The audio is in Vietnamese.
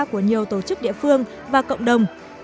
của nhiều tổ chức địa phương và cộng đồng